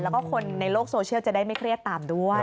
แล้วก็คนในโลกโซเชียลจะได้ไม่เครียดตามด้วย